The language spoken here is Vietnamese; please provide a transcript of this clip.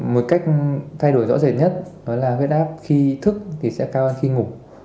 một cách thay đổi rõ rệt nhất đó là huyết áp khi thức thì sẽ cao hơn khi ngủ